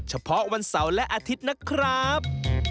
เฉพาะวันเสาร์และอาทิตย์นะครับ